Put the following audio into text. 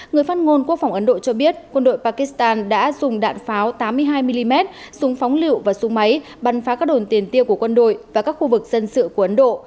người phát ngôn quốc phòng ấn độ cho biết quân đội pakistan đã dùng đạn pháo tám mươi hai mm súng phóng lựu và súng máy bắn phá các đồn tiền tiêu của quân đội và các khu vực dân sự của ấn độ